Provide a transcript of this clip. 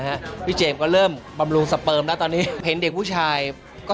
พี่เจมส์ก็เริ่มบำรุงสเปิมแล้วตอนนี้เห็นเด็กผู้ชายก็